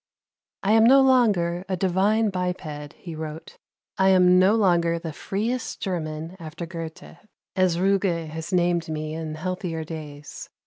"I am no longer a divine biped," he wrote. "I am no longer the freest German after Goethe, as Ruge named me in healthier days.